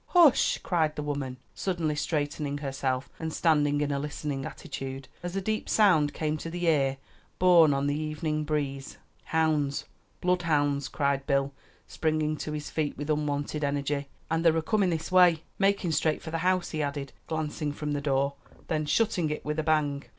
"Hush!" cried the woman, suddenly straightening herself, and standing in a listening attitude, as a deep sound came to the ear, borne on the evening breeze. "Hounds! bloodhounds!" cried Bill, springing to his feet with unwonted energy. "And they're a comin' this way; makin' straight for the house," he added, glancing from the door, then shutting it with a bang.